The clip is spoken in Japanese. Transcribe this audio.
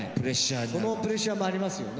そのプレッシャーもありますよね。